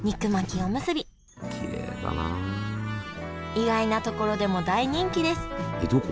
意外なところでも大人気ですえっどこ？